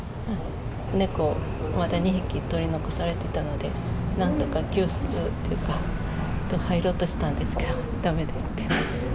猫がまだ２匹、取り残されてたので、なんとか救出というか、入ろうとしたんですけど、だめですって。